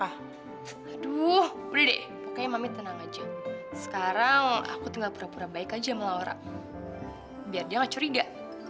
aduh udah deh pokoknya mami tenang aja sekarang aku tinggal pura pura baik aja melawan biar dia gak curiga